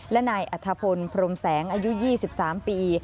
และนายอัธพลพรมแสงอายุ๒๓ปี